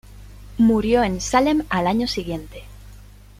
Murió en Salem al año siguiente.